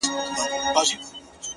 ماخو ستا غمونه ځوروي گلي ؛